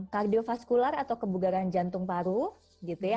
kardiofaskular atau kebugaran jantung paru gitu ya